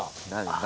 何？